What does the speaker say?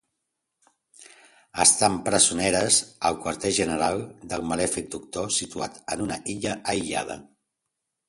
Estan presoneres al quarter general del malèfic doctor, situat en una illa aïllada.